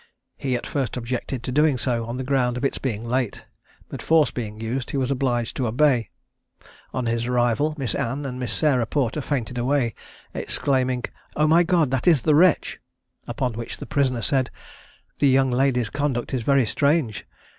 He at first objected to doing so, on the ground of its being late, but force being used, he was obliged to obey. On his arrival, Miss Anne and Miss Sarah Porter fainted away, exclaiming, "Oh, my God! that is the wretch!" Upon which the prisoner said, "The young ladies' conduct is very strange.